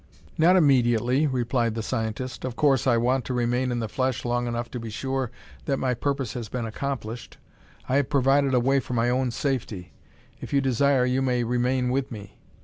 "Not immediately," replied the scientist. "Of course, I want to remain in the flesh long enough to be sure that my purpose has been accomplished. I have provided a way for my own safety. If you desire, you may remain with me."